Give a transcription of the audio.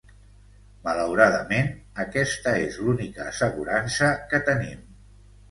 Malauradament, aquesta és l'única assegurança que tenim.